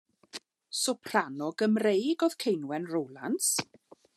Soprano Gymreig oedd Ceinwen Rowlands.